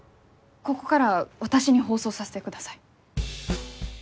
ここから私に放送させてください。